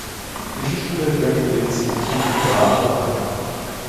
Mittelschule der Provinz Jinhua aufgenommen.